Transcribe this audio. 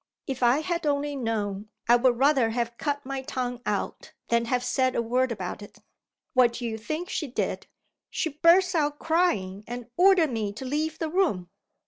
"If I had only known, I would rather have cut my tongue out than have said a word about it. What do you think she did? She burst out crying, and ordered me to leave the room."